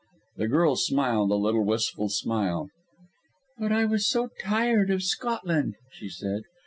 The girl smiled a little wistful smile. "But I was so tired of Scotland," she said.